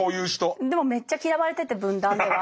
でもめっちゃ嫌われてて文壇では。